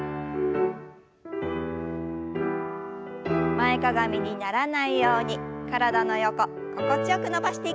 前かがみにならないように体の横心地よく伸ばしていきましょう。